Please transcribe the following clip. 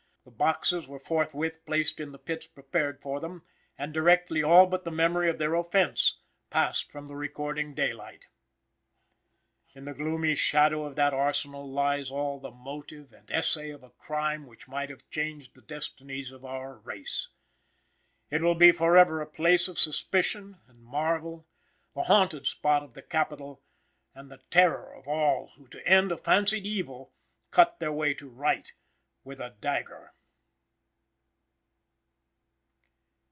The boxes were forthwith placed in the pits prepared for them, and directly all but the memory of their offense passed from the recording daylight. In the gloomy shadow of that arsenal lies all the motive, and essay of a crime which might have changed the destinies of our race. It will be forever a place of suspicion and marvel, the haunted spot of the Capitol, and the terror of all who to end a fancied evil, cut their way to right with a dagger.